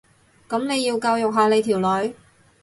噉你要教育下你條女